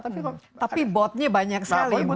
tapi botnya banyak sekali